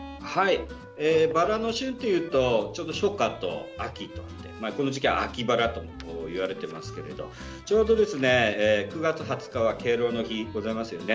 バラの周期でいうとちょうど初夏と秋でこの時期は秋バラといわれていますけどちょうど９月２０日は敬老の日がございますよね。